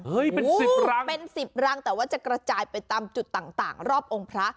เป็น๑๐รังเป็นสิบรังแต่ว่าจะกระจายไปตามจุดต่างรอบองค์พระ